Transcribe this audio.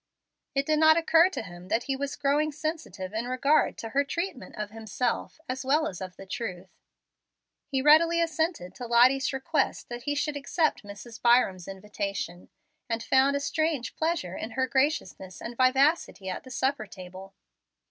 It did not occur to him that he was growing sensitive in regard to her treatment of himself, as well as of the truth. He readily assented to Lottie's request that he should accept Mrs. Byram's invitation, and found a strange pleasure in her graciousness and vivacity at the supper table.